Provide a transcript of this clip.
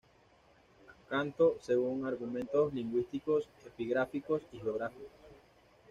Canto, según argumentos lingüístico-epigráficos y geográficos.